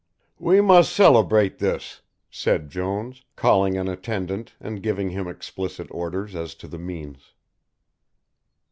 "We must celebrate this," said Jones, calling an attendant and giving him explicit orders as to the means.